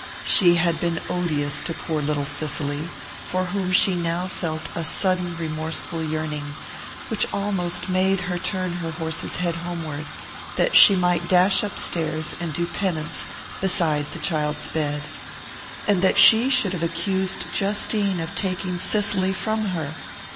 She had been odious to poor little Cicely, for whom she now felt a sudden remorseful yearning which almost made her turn her horse's head homeward, that she might dash upstairs and do penance beside the child's bed. And that she should have accused Justine of taking Cicely from her!